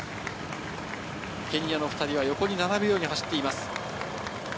ケニアの２人は横に並ぶように走っています。